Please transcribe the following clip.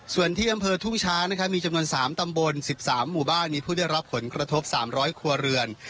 ส่วนที่อำเภอทุ่งช้านะครับมีจำนวน๓ตำบล๑๓หมู่บ้านมีผู้ได้รับผลกระทบ๓๐๐ครัวเรือน